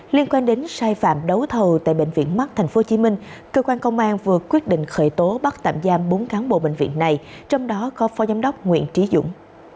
liên quan đến sai phạm đấu thầu tại bệnh viện mắt tp hcm cơ quan công an vừa quyết định khởi tố bắt tạm giam bốn cán bộ bệnh viện này trong đó có phó giám đốc nguyễn trí dũng